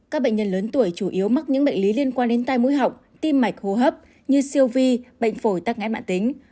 các bệnh nhân lớn tuổi chủ yếu mắc những bệnh lý liên quan đến tai mũi họng tim mạch hô hấp như siêu vi bệnh phổi tắc nghẽn mạng tính